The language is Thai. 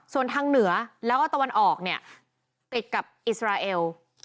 ส่วนทางเหนือแล้วก็ตะวันออกเนี่ยติดกับอิสราเอล